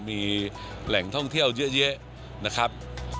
มีแหล่งท่องเที่ยวเยอะนะครับ